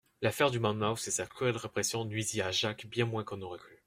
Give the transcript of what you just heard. L'affaire de Monmouth et sa cruelle répression nuisit à Jacques bien moins qu'on n'aurait cru.